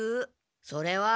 それは。